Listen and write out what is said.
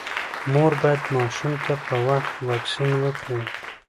مور باید ماشوم ته په وخت واکسین وکړي۔